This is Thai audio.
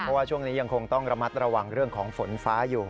เพราะว่าช่วงนี้ยังคงต้องระมัดระวังเรื่องของฝนฟ้าอยู่